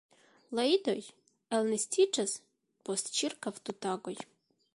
La idoj elnestiĝas post ĉirkaŭ du tagoj.